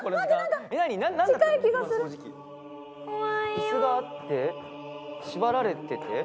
椅子があって縛られてて。